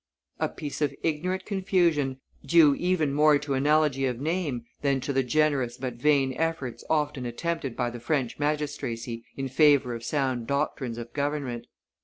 249] A piece of ignorant confusion, due even more to analogy of name than to the generous but vain efforts often attempted by the French magistracy in favor of sound doctrines of government.